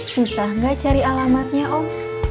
susah nggak cari alamatnya om